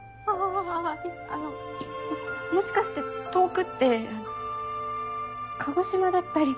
ああのもしかして遠くって鹿児島だったり。